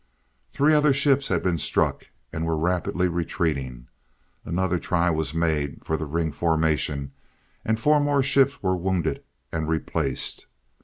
Three other ships had been struck, and were rapidly retreating. Another try was made for the ring formation, and four more ships were wounded, and replaced.